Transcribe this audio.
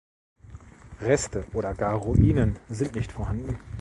Reste oder gar Ruinen sind nicht vorhanden.